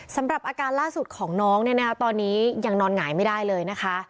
สำหรับอาการล่าสุดของน้องตอนนี้ยังนอนหงายไม่ได้เลย